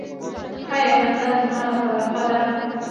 ایا خندا زما لپاره ښه ده؟